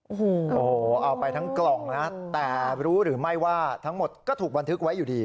โอ้โหเอาไปทั้งกล่องนะแต่รู้หรือไม่ว่าทั้งหมดก็ถูกบันทึกไว้อยู่ดี